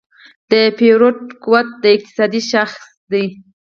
د پیرود قوت د اقتصاد شاخص دی.